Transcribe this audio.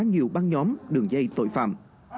nhiều băng nhóm đường dây tội phạm